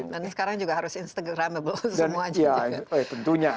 dan sekarang juga harus instagramable semua juga